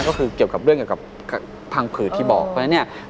ก็คือเกี่ยวกับเรื่องเกี่ยวกับพังผืดที่บอกเพราะฉะนั้นเนี่ย